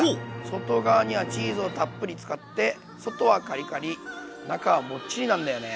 外側にはチーズをたっぷり使って外はカリカリ中はモッチリなんだよね。